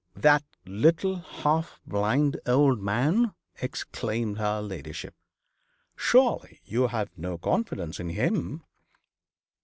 'That little half blind old man!' exclaimed her ladyship. 'Surely you have no confidence in him?'